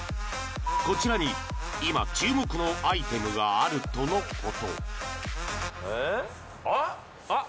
こちらに今注目のアイテムがあるとのことあっ！